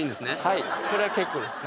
これは結構です。